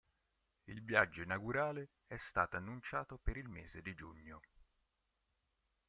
Il viaggio inaugurale è stato annunciato per il mese di giugno.